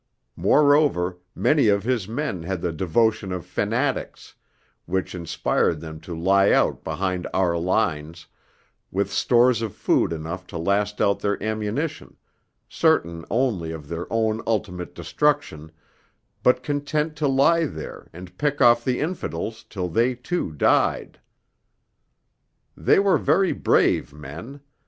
Moreover, many of his men had the devotion of fanatics, which inspired them to lie out behind our lines, with stores of food enough to last out their ammunition, certain only of their own ultimate destruction, but content to lie there and pick off the infidels till they too died. They were very brave men.